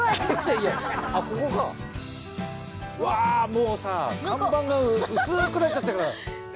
Δ錙もうさ看板が薄くなっちゃってる。